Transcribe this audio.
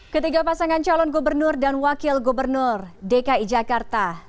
ketiga pasangan calon gubernur dan wakil gubernur dki jakarta